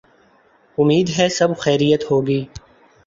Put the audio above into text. امید ہے سب خیریت ہو گی۔